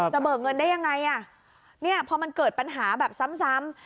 เบิกเงินได้ยังไงอ่ะเนี่ยพอมันเกิดปัญหาแบบซ้ำ